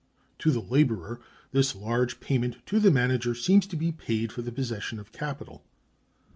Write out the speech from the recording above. To the laborer this large payment to the manager seems to be paid for the possession of capital.